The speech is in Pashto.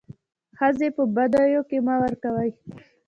ښځي په بديو کي مه ورکوئ.